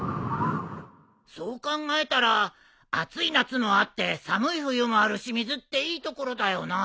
そう考えたら暑い夏もあって寒い冬もある清水っていい所だよな。